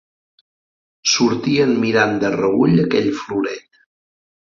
Sortien mirant de reüll aquell floret